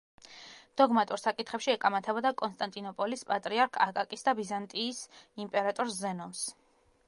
დოგმატურ საკითხებში ეკამათებოდა კონსტანტინოპოლის პატრიარქ აკაკის და ბიზანტიის იმპერატორს ზენონს.